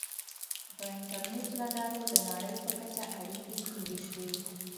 • د انټرنیټ له لارې د نړۍ په کچه اړیکې ټینګې شوې.